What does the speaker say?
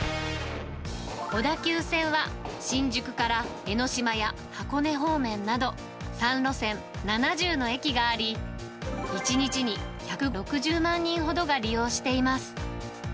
小田急線は新宿から江ノ島や箱根方面など、３路線７０の駅があり、１日に１６０万人ほどが利用しています。